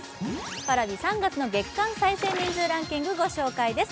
Ｐａｒａｖｉ３月の月間再生ランキングです。